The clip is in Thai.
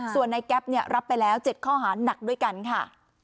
ส่วนนายแก๊ปเนี้ยรับไปแล้วเจ็ดข้อหาหนักด้วยกันค่ะ